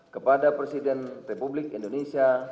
kepada presiden republik indonesia